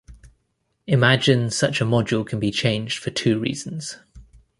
Imagine such a module can be changed for two reasons.